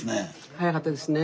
早かったですね。